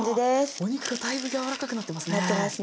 お肉がだいぶ柔らかくなってますね。